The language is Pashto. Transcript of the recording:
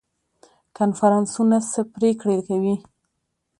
کنفرانسونه څه پریکړې کوي؟